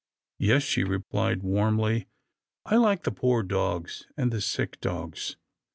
" Yes," she replied, warmly. " I like the poor dogs, and the sick dogs.